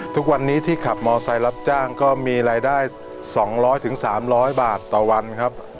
ทุกวันนี้ที่ขับมอเซล์รับจ้างก็มีรายได้๒๐๐๓๐๐บาทต่อวันครับ